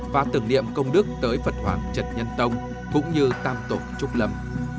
và tưởng niệm công đức tới phật hoàng trần nhân tông cũng như tam tổ trúc lâm